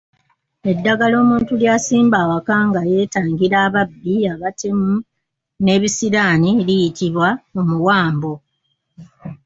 Eddagala omuntu ly’asimba awaka nga yeetangira ababbi, abatemu n’ebisiraani liyitibwa Omuwambo.